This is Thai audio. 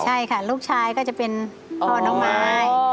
ใช่ค่ะลูกชายก็จะเป็นพ่อน้องมาย